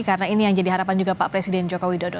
karena ini yang jadi harapan juga pak presiden joko widodo